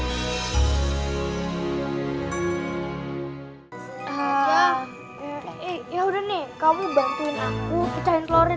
hai hai hai hai hai hai hai hai hai hai ya udah nih kamu bantuin aku kecilnya